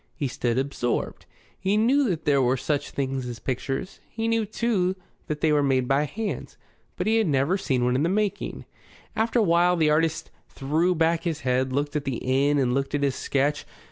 He stood absorbed. He knew that there were such things as pictures. He knew, too, that they were made by hands. But he had never seen one in the making. After a while the artist threw back his head, looked at the inn and looked at his sketch.